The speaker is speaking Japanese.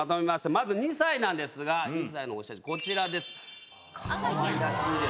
まず２歳なんですが２歳のお写真こちらです。